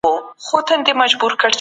خپل کور په ښه تېلو خوشبويه کړئ.